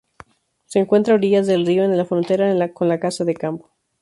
Se encuentra a orillas del río en la frontera con la Casa de Campo.